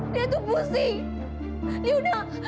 dia tuh pusing